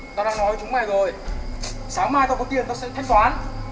alo tao đang nói với chúng mày rồi sáng mai tao có tiền tao sẽ thách toán